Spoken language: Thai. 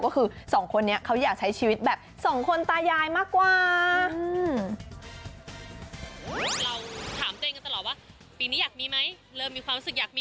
ก็คือสองคนนี้เขาอยากใช้ชีวิตแบบสองคนตายายมากกว่า